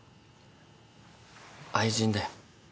愛人だよ。